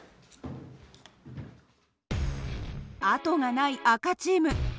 後がない赤チーム。